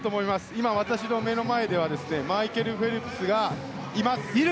今、私の目の前ではマイケル・フェルプスがいます。